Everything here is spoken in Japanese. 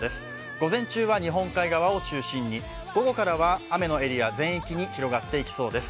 午前中は日本海側を中心に、午後からは雨のエリア、全域に広がっていきそうです。